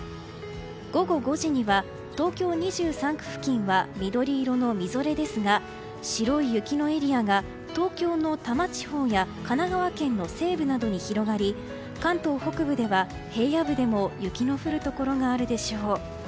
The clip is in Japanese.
午後５時には、東京２３区付近は緑色のみぞれですが白い雪のエリアが東京の多摩地方や神奈川県の西部などに広がり関東北部では、平野部でも雪の降るところがあるでしょう。